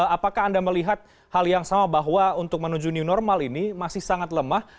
apakah anda melihat hal yang sama bahwa untuk menuju new normal ini masih sangat lemah